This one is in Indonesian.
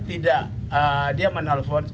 tidak dia menelpon